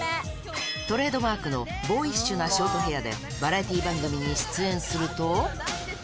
トレードマークのボーイッシュなショートヘアで、バラエティ番組に出演すると。